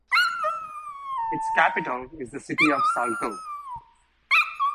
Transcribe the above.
Its capital is the city of Salto.